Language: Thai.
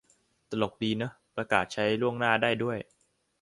ตลกดีเนอะ ประกาศใช้ล่วงหน้าได้ด้วย